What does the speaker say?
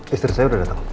istri saya sudah datang